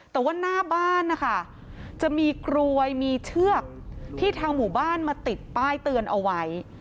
แต่ว่าหน้าบ้านนะคะจะมีกรวยมีเชือกที่ทางหมู่บ้านมาติดป้ายเตือนเอาไว้